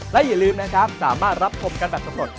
และอย่าลืมนะครับสามารถรับชมกันแบบสำรวจ